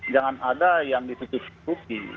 jangan ada yang ditutupi